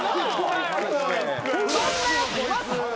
そんなやついます？